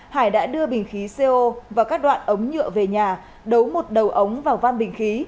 hải đã đưa bình khí co và các đoạn ống nhựa về nhà đấu một đầu ống vào van bình khí